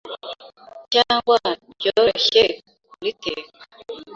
cyangwa ryoroshye kuriteka,